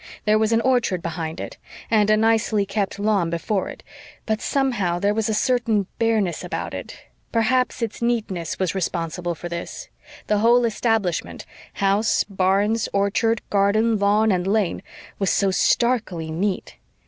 There was an orchard behind it, and a nicely kept lawn before it, but, somehow, there was a certain bareness about it. Perhaps its neatness was responsible for this; the whole establishment, house, barns, orchard, garden, lawn and lane, was so starkly neat.